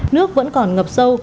nước vẫn còn ngập sâu